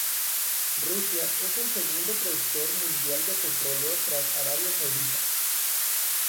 Rusia es el segundo productor mundial de petróleo tras Arabia Saudita.